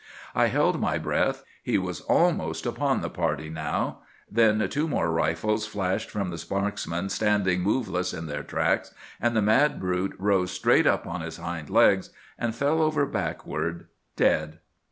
I held my breath. He was almost upon the party now. Then two more rifles flashed from the marksmen standing moveless in their tracks, and the mad brute rose straight up on his hind legs, and fell over backward, dead.